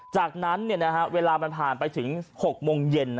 จากนั้นเวลามันผ่านไปถึง๖โมงเย็น